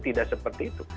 tidak seperti itu